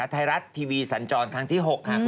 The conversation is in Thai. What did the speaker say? ไทรรัชมันทีวีสันจรครั้งที่๖